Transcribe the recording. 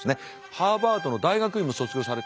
ハーバードの大学院も卒業され。